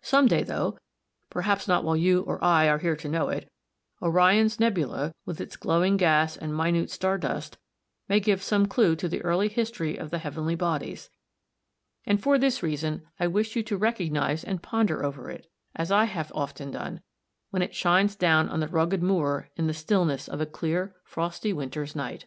Some day, though perhaps not while you or I are here to know it, Orion's nebula, with its glowing gas and minute star dust, may give some clue to the early history of the heavenly bodies; and for this reason I wish you to recognise and ponder over it, as I have often done, when it shines down on the rugged moor in the stillness of a clear frosty winter's night.